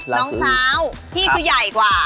น้องสาวพี่คือใหญ่กว่า